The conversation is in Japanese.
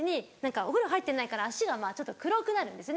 お風呂入ってないから足が黒くなるんですよね。